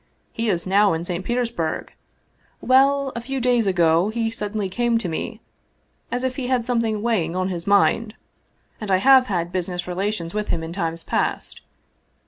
" He is now in St. Petersburg. Well, a few days ago he sud denly came to me as if he had something weighing on his mind. And I have had business relations with him in times past.